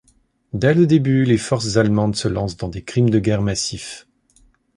Dès le début, les forces allemandes se lancent dans des crimes de guerre massifs.